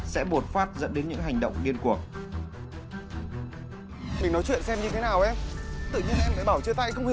sẽ bột phát dẫn đến những hành động điên cuộc